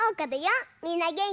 みんなげんき？